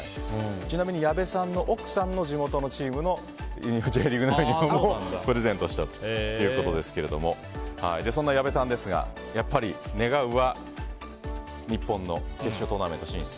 ちなみに矢部さんの奥さんの地元のＪリーグのユニホームをプレゼントしたということですがそんな矢部さんですが願うは日本の決勝トーナメント進出。